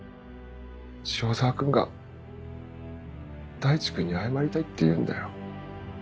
「塩澤君が大地君に謝りたいって言うんだよ。